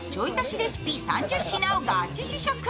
レシピ３０品をガチ試食。